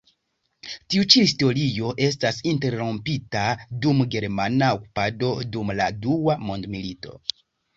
Tiu ĉi historio estas interrompita dum germana okupado dum la Dua mondmilito.